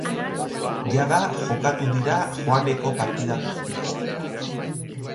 Jada jokatu dira joaneko partida guztiak.